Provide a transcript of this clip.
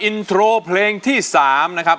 อินโทรเพลงที่๓นะครับ